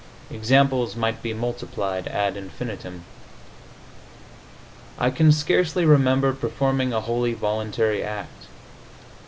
Examples might be multiplied ad infinitum. I can scarcely remember performing a wholly voluntary act.